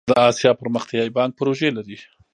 د اسیا پرمختیایی بانک پروژې لري